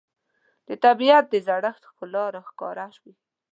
د طبیعت د زړښت ښکلا راښکاره وي